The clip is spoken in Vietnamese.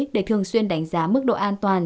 để thường xuyên đánh giá mức độ an toàn